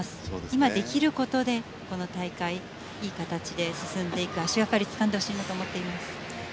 今、できることでこの大会、いい形で進んでいく足掛かりをつかんでほしいと思っています。